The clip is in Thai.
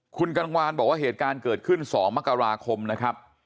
คุณกังวานบอกว่าเหตุการณ์เกิดขึ้น๒มกราคมนะครับ